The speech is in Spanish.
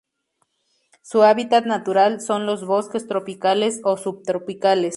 Su hábitat natural son los bosques tropicales o subtropicales.